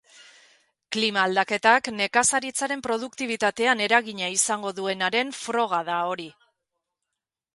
Klima-aldaketak nekazaritzaren produktibitatean eragina izango duenaren froga da hori.